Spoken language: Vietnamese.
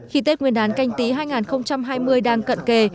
khi tết nguyên đán canh tí hai nghìn hai mươi đang cận kề